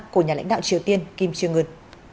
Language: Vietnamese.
của nhà lãnh đạo triều tiên kim trương un